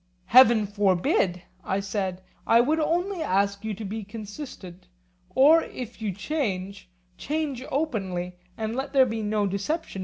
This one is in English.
Heaven forbid! I said; I would only ask you to be consistent; or, if you change, change openly and let there be no deception.